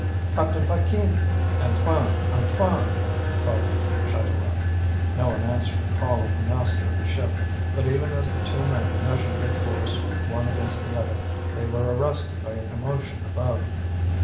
"Captain Paquin! Antoine, Antoine!" called Chatelard. No one answered the call of the master of the ship, but even as the two men measured their force one against the other, they were arrested by a commotion above.